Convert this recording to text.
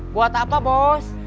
buat apa bos